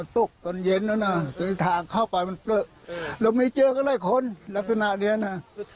ตกตอนเย็นตี้ทางเข้าไปมันเผลอเราไม่เจอก็เลยคนลักษณะเนี้ยนะ